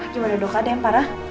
gimana dok ada yang parah